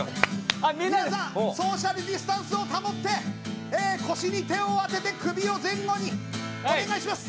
ソーシャルディスタンスを保って腰に手を当てて首を前後にお願いします！